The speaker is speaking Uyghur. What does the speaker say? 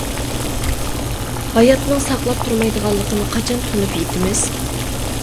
ھاياتنىڭ ساقلاپ تۇرمايدىغانلىقىنى قاچان تونۇپ يىتىمىز.